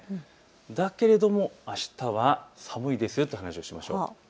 だけれども、あしたは寒いですよというお話をしましょう。